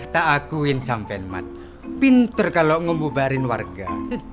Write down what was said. tak akuin sampenmat pinter kalo ngebubarin warga